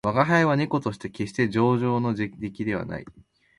吾輩は猫として決して上乗の出来ではない